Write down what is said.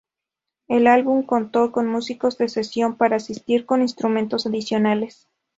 El álbum contó con músicos de sesión para asistir con instrumentos adicionales.